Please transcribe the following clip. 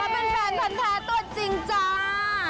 เป็นแฟนพันธ์แท้ตัวจริงจ้า